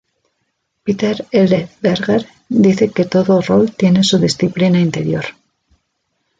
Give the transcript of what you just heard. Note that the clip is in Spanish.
Peter L. Berger dice que todo rol tiene su disciplina interior.